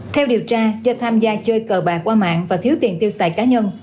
theo điều tra do tham gia chơi cờ bạc qua mạng và thiếu tiền tiêu xài cá nhân